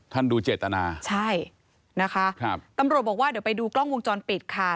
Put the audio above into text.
ดูเจตนาใช่นะคะครับตำรวจบอกว่าเดี๋ยวไปดูกล้องวงจรปิดค่ะ